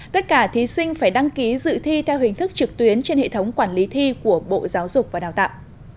tất cả thí sinh phải đăng ký dự thi theo hình thức trực tuyến trên hệ thống quản lý thi của bộ giáo dục và đào tạo